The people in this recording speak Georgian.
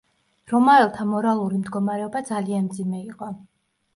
რომაელთა მორალური მდგომარეობა ძალიან მძიმე იყო.